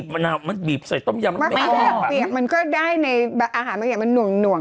มะขามเปียกมันก็ได้ในอาหารมะขามเปียกมันหน่วง